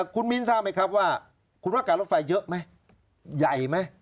คุณมิ้นทราบไหมครับว่าคุณว่าการรถไฟเยอะไหมใหญ่ไหม